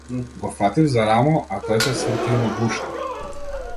Го фатив за рамо, а тој се сврте и ме гушна.